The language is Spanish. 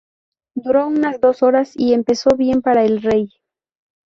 Duró unas dos horas, y empezó bien para el rey.